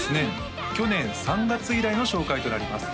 去年３月以来の紹介となります